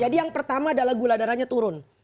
jadi yang pertama adalah gula darahnya turun